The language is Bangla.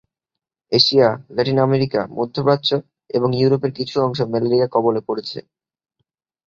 এশিয়া, ল্যাটিন আমেরিকা, মধ্য প্রাচ্য এবং ইউরোপের কিছু অংশ ম্যালেরিয়ার কবলে পড়েছে।